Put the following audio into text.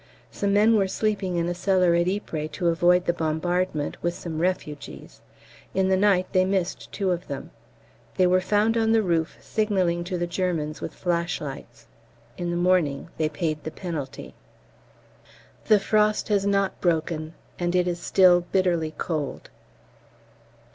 Some men were sleeping in a cellar at Ypres to avoid the bombardment, with some refugees. In the night they missed two of them. They were found on the roof signalling to the Germans with flash lights. In the morning they paid the penalty. The frost has not broken, and it is still bitterly cold.